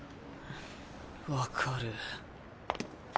分かる。